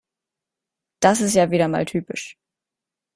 Das ist ja wieder mal typisch.